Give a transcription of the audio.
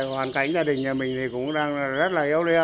hoàn cảnh gia đình nhà mình thì cũng đang rất là yếu đi